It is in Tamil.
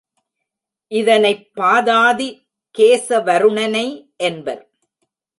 இதனைப் பாதாதி கேசவருணனை என்பர்.